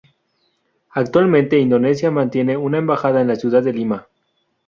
Actualmente, Indonesia mantiene una embajada en la ciudad de Lima.